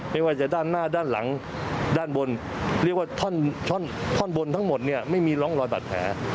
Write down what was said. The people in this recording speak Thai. ไม่ว่าจะด้านหน้าด้านหลังด้านบนเรียกว่าท่อนบนทั้งหมดเนี่ยไม่มีร่องรอยบาดแผล